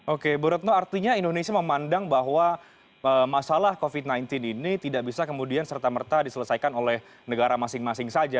oke bu retno artinya indonesia memandang bahwa masalah covid sembilan belas ini tidak bisa kemudian serta merta diselesaikan oleh negara masing masing saja